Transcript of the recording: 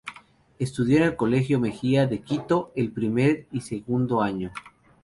Estudió en el Colegio Mejía de Quito, el primer y segundo año.